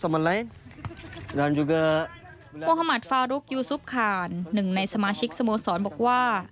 มั้ฟารุกยูซุปคานหนึ่งในสมาชิกสโมสรบอกว่า